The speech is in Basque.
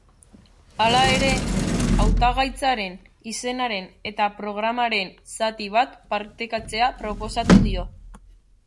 Hala ere, hautagaitzaren izenaren eta programaren zati bat partekatzea proposatu dio.